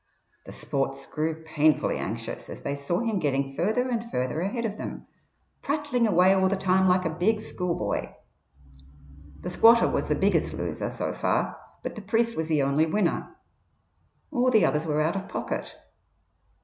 The sports grew painfully anxious as they saw him getting further and further ahead of them, prattling away all the time like a big schoolboy. The squatter was the biggest loser so far, but the priest was the only winner. All the others were out of pocket.